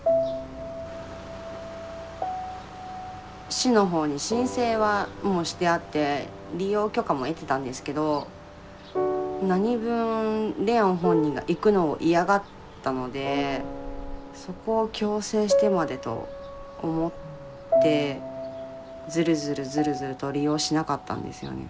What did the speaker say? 市の方に申請はもうしてあって利用許可も得てたんですけど何分麗桜本人が行くのを嫌がったのでそこを強制してまでと思ってズルズルズルズルと利用しなかったんですよね。